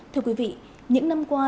thưa quý vị những năm qua